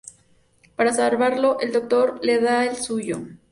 Para salvarla, el Doctor le da el suyo.